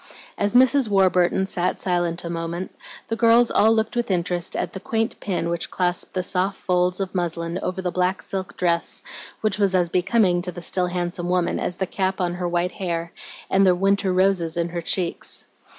As Mrs. Warburton sat silent a moment, the girls all looked with interest at the quaint pin which clasped the soft folds of muslin over the black silk dress which was as becoming to the still handsome woman as the cap on her white hair and the winter roses in her cheeks.